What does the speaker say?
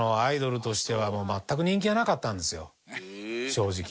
正直。